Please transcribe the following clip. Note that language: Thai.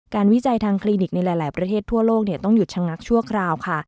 วิจัยทางคลินิกในหลายประเทศทั่วโลกต้องหยุดชะงักชั่วคราวค่ะ